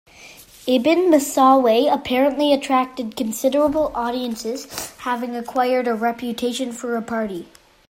Ibn Masawayh apparently attracted considerable audiences, having acquired a reputation for repartee.